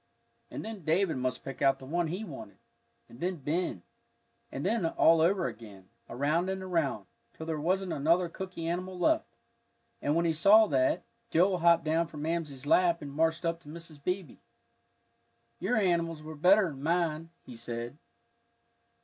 And then David must pick out the one he wanted, and then Ben. And then all over again, around and around, till there wasn't another cooky animal left. And when he saw that, Joel hopped down from Mamsie's lap and marched up to Mrs. Beebe. "Your animals were better'n mine," he said.